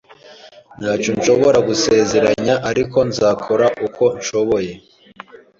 Ntacyo nshobora gusezeranya, ariko nzakora uko nshoboye